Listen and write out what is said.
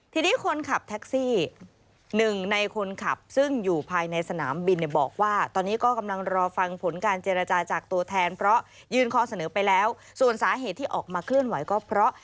ทีนี้คนขับแท็กซี่๑ในคนขับซึ่งอยู่ภายในสนามบินที่บอกว่า